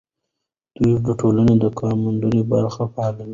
د دې ټولنې د کارموندنې برخه فعاله ده.